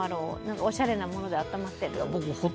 おしゃれなものであったまってると。